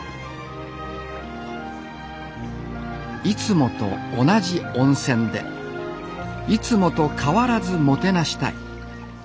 いつもと同じ温泉でいつもと変わらずもてなしたい。